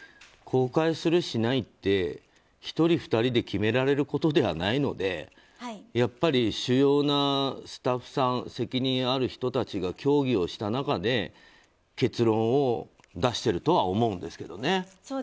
公開する、しないって１人、２人で決められることではないのでやっぱり主要なスタッフさん責任ある人たちが協議をした中で結論を出しているとは思うんですけどね。